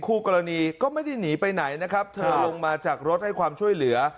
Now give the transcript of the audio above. คู่กรณีก็ไม่ได้หนีไปไหนนะครับเธอลงมาจากรถให้ความช่วยเหลือ